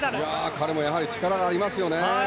彼もやはり力がありますよね。